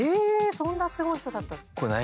そんなすごい人だった。